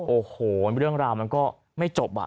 โอ้โหเรื่องราวมันก็ไม่จบ